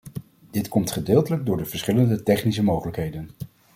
Dit komt gedeeltelijk door de verschillende technische mogelijkheden.